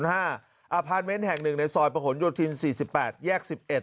อาพาร์ตเม้นท์แห่ง๑ในซอยประหลโยธิน๔๘แยก๑๑